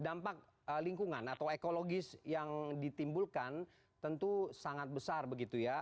dampak lingkungan atau ekologis yang ditimbulkan tentu sangat besar begitu ya